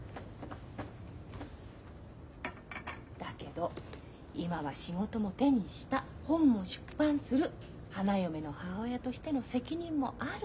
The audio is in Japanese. だけど今は仕事も手にした本も出版する花嫁の母親としての責任もある。